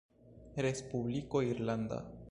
Respubliko Irlanda.